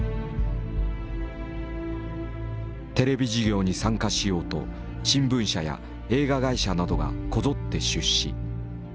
テレビ事業に参加しようと新聞社や映画会社などがこぞって出資。